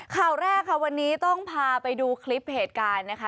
ข่าวแรกค่ะวันนี้ต้องพาไปดูคลิปเหตุการณ์นะคะ